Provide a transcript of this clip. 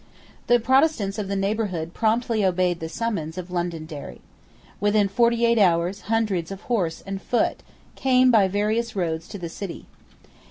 The Protestants of the neighbourhood promptly obeyed the summons of Londonderry. Within forty eight hours hundreds of horse and foot came by various roads to the city.